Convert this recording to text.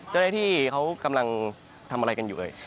เจ้าหน้าที่เขากำลังทำอะไรกันอยู่เลย